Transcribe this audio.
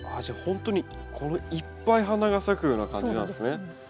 じゃあほんとにいっぱい花が咲くような感じなんですね。